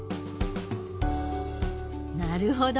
なるほど！